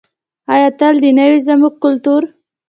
آیا تل دې نه وي زموږ کلتور؟